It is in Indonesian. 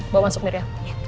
bawa masuk mir ya